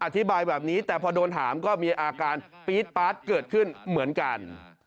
อธิบายแบบนี้แต่พอโดนถามก็มีอาการปี๊ดป๊าดเกิดขึ้นเหมือนกัน